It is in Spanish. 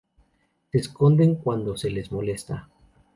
Se esconden cuando se las molesta.